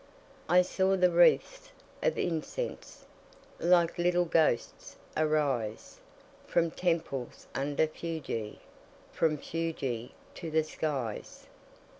I saw the wreathes of incense Like little ghosts arise, From temples under Fuji, From Fuji to the skies.